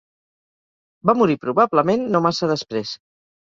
Va morir probablement no massa després.